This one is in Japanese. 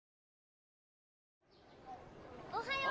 おはよう。